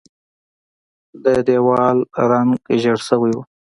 د دیوال رنګ ژیړ شوی و.